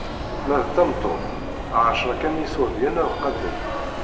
Ma d tameṭṭut, ɛecṛa n iṣurdiyen kan ad qadden.